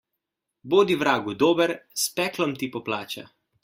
Bodi vragu dober, s peklom ti poplača.